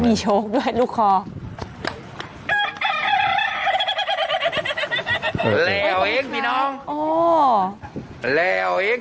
ด้วยยกด้วยลูกคอ